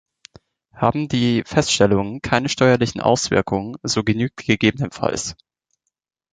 Haben die Feststellungen keine steuerlichen Auswirkungen, so genügt ggf.